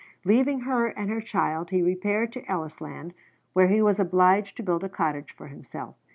Leaving her and her child he repaired to Ellisland, where he was obliged to build a cottage for himself.